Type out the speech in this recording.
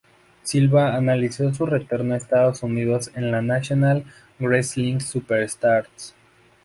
Silva hizo su retorno a Estados Unidos en la National Wrestling Superstars.